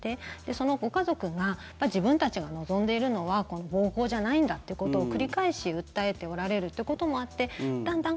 そのご家族が自分たちが望んでいるのはこの暴行じゃないんだってことを繰り返し訴えておられるってこともあってだんだん